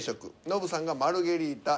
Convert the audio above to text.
ノブさんが「マルゲリータ」。